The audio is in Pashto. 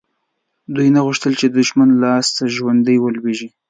دوی نه غوښتل چې د دښمن لاسته ژوندي ولویږي.